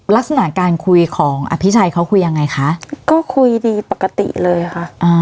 ลักษณะการคุยของอภิชัยเขาคุยยังไงคะก็คุยดีปกติเลยค่ะอ่า